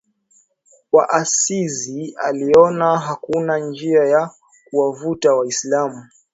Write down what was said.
wa Asizi aliona hakuna njia ya kuwavuta Waislamu